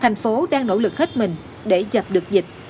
thành phố đang nỗ lực hết mình để dập được dịch